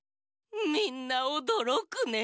みんなおどろくね。